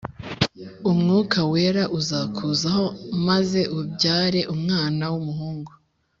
Umwuka wera uzakuzaho maze ubyare umwana w umuhungu